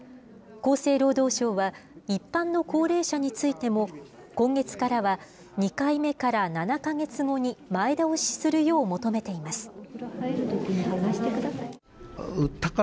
厚生労働省は、一般の高齢者についても今月からは、２回目から７か月後に前倒しするよう求めています。